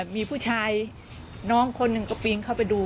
มีผู้ชายน้องคนหนึ่งก็ปีนเข้าไปดู